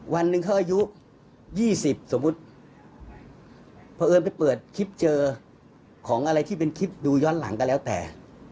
วันหนึ่งเขาอายุ๒๐สมมุติเพราะเอิญไปเปิดคลิปเจอของอะไรที่เป็นคลิปดูย้อนหลังก็แล้วแต่